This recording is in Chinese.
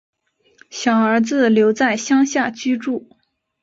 小儿子留在乡下居住